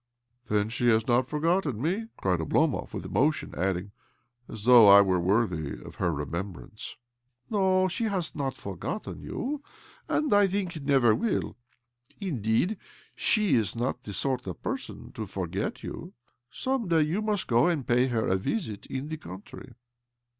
" Then she has not forgotten me? " cried Oblomov with emotion— addingi :" As though I were worthy of her remembl ance !"" No, she has not forgotten you, and, I think, never will. Indeed, she is not the sort of person to forget you. Some day you must go and pay her a visit in the country."